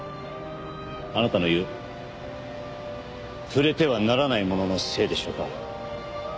あなたの言う「触れてはならないもの」のせいでしょうか？